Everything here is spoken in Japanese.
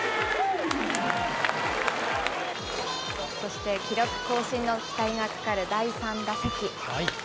そして記録更新の期待がかかる第３打席。